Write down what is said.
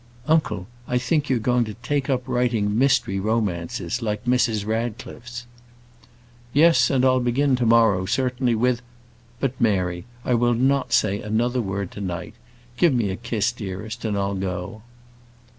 "Uncle, I think you're going to take up writing mystery romances, like Mrs Radcliffe's." "Yes; and I'll begin to morrow, certainly with But, Mary, I will not say another word to night. Give me a kiss, dearest, and I'll go."